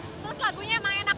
terus lagunya emang enak